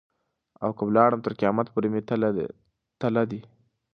او که ولاړم تر قیامت پوري مي تله دي.